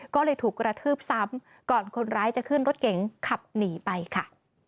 ก็เลยถูกกระทืบซ้ำก่อนคนร้ายจะขึ้นรถเก๋งขับหนีไปค่ะ